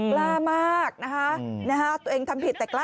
กล้ามากนะคะ